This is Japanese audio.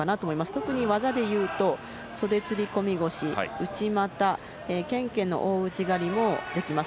特に技で言うと袖釣り込み腰内股、大内刈りもできます。